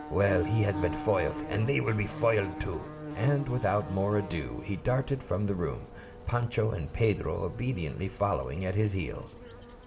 Well, he has been foiled. And they will be foiled, too." And without more ado he darted from the room, Pancho and Pedro obediently following at his heels.